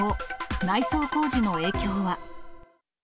内装工事の影響は？